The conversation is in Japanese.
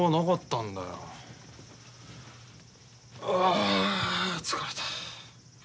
あ疲れた。